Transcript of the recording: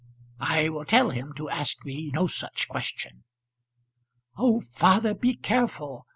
"I will tell him to ask me no such question." "Oh, father, be careful.